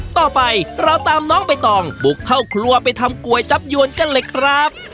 ต่อไปเราตามน้องใบตองบุกเข้าครัวไปทำก๋วยจับยวนกันเลยครับ